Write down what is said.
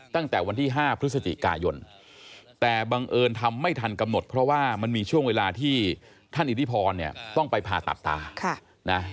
ตั้งแต่วันที่๕พฤศจิกายนแต่บังเอิญทำไม่ทันกำหนดเพราะว่ามันมีช่วงเวลาที่ท่านอิทธิพรเนี่ยต้องไปผ่าตัดตานะ